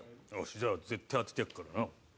じゃあ絶対当ててやるからな。